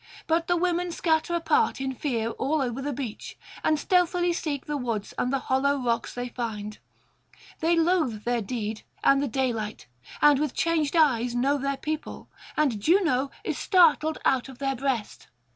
But the women scatter apart in fear all over the beach, and stealthily seek the woods and the hollow rocks they find: they loathe their deed and the daylight, and with changed eyes know their people, and Juno is startled out of their breast.